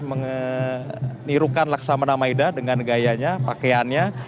menirukan laksamana maida dengan gayanya pakaiannya